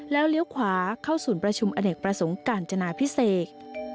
แล้วเลี้ยวขวาเข้าศูนย์ประชุมอเนกประสงค์กาญจนาพิเศษ